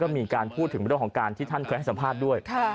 มีการพูดถึงเรื่องของการที่ท่านเคยให้สัมภาษณ์ด้วย